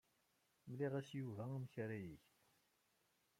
Mliɣ-as i Yuba amek ara yeg.